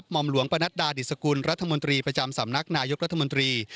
อมหลวงปนัดดาดิสกุลรัฐมนตรีประจำสำนักนายกรัฐมนตรี